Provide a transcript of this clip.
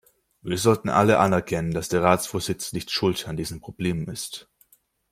Wir sollten alle anerkennen, dass der Ratsvorsitz nicht schuld an diesen Problemen ist.